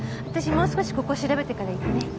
私もう少しここを調べてから行くね。